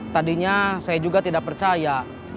tadinya saya juga tidak percaya